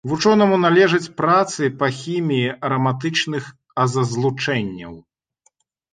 Вучонаму належаць працы па хіміі араматычных азазлучэнняў.